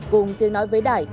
cùng tiếng nói với đài